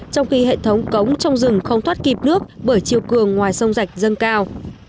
trong khi hệ thống cống trong rừng không thoát kịp nước bởi chiều cường ngoài sông dạch dâng cao